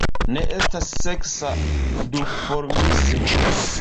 Ne estas seksa duformismo.